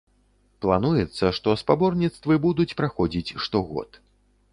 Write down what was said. Плануецца, што спаборніцтвы будуць праходзіць штогод.